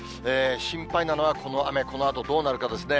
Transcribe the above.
心配なのはこの雨、このあとどうなるかですね。